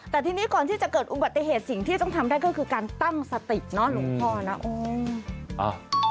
แต่ทีนี้ก่อนที่จะเกิดอุบัติเหตุสิ่งที่ต้องทำได้ก็คือการตั้งสติเนาะหลวงพ่อนะโอ้